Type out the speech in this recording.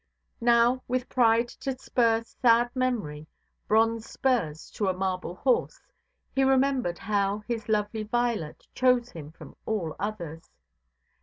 Now, with pride to spur sad memory—bronze spurs to a marble horse—he remembered how his lovely Violet chose him from all others.